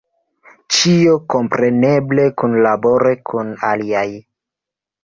Ĉio kompreneble kunlabore kun aliaj.